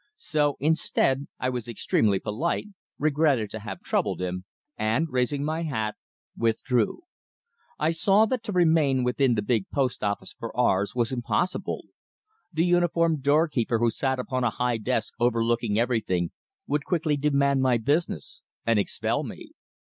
So instead, I was extremely polite, regretted to have troubled him, and, raising my hat, withdrew. I saw that to remain within the big office for hours was impossible. The uniformed doorkeeper who sat upon a high desk overlooking everything, would quickly demand my business, and expel me.